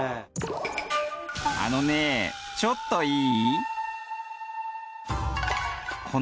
あのねちょっといい？